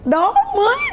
đó mới là một cái thật